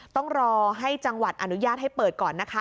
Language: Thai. ต้องรอให้จังหวัดอนุญาตให้เปิดก่อนนะคะ